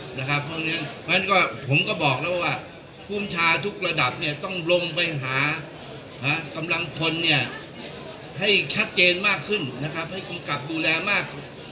เพราะฉะนั้นผมก็บอกแล้วว่าภูมิชาทุกระดับต้องลงไปหากำลังพลให้ชัดเจนมากขึ้นให้กำกับดูแลมาก